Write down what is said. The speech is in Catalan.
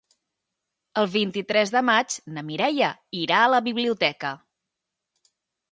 El vint-i-tres de maig na Mireia irà a la biblioteca.